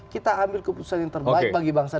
kita ambil keputusan yang terbaik bagi bangsa